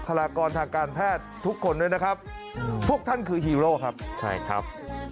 ลากรทางการแพทย์ทุกคนด้วยนะครับพวกท่านคือฮีโร่ครับใช่ครับ